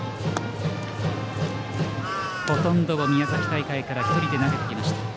ほとんど宮崎大会から１人で投げてきました。